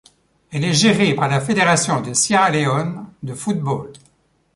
Elle est gérée par la Fédération de Sierra Leone de football.